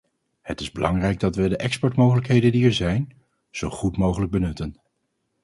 Het is belangrijk dat wij de exportmogelijkheden die er zijn, zo goed mogelijk benutten.